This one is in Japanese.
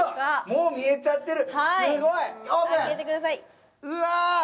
もう見えちゃってる、すごい！